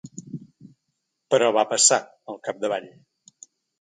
Però va passar, al capdavall.